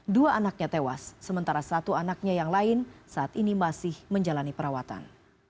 dua anaknya tewas sementara satu anaknya yang lain saat ini masih menjalani perawatan